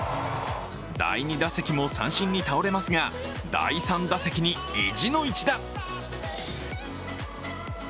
第２打席も三振に倒れますが第３打席に意地の一打。